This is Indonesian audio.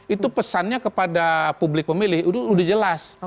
itu pesannya kepada publik pemilih itu sudah jelas